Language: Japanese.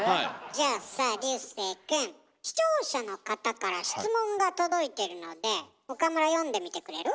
じゃあさ竜星くん視聴者の方から質問が届いてるので岡村読んでみてくれる？